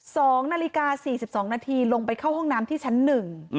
สองนาฬิกาสี่สิบสองนาทีลงไปเข้าห้องน้ำที่ชั้นหนึ่ง